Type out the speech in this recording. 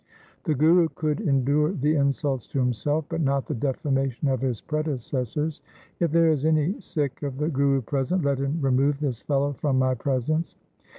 The Guru could endure the insults to himself, but not the defamation of his predecessors. ' If there is any Sikh of the Guru present, let him remove this fellow from my presence.'